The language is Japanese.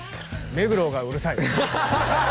「目黒がうるさい」